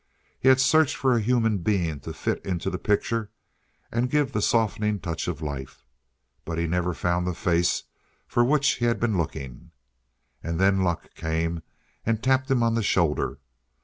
He had searched for a human being to fit into the picture and give the softening touch of life. But he never found the face for which he had been looking. And then luck came and tapped him on the shoulder.